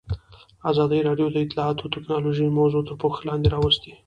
ازادي راډیو د اطلاعاتی تکنالوژي موضوع تر پوښښ لاندې راوستې.